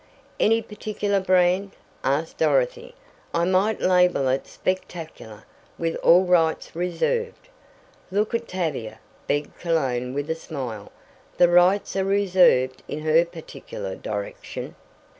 "Any particular brand?" asked Dorothy. "I might label it 'Spectacular,' with all rights reserved." "Look at Tavia," begged Cologne with a smile. "The rights are 'reserved' in her particular direction."